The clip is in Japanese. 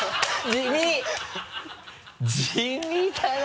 地味だな。